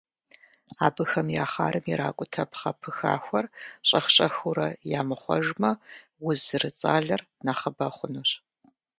Абыхэм я хъарым иракӏутэ пхъэ пыхахуэр щӏэх-щӏэхыурэ ямыхъуэжмэ, уз зэрыцӏалэр нэхъыбэ хъунущ.